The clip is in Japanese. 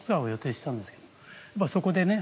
そこでね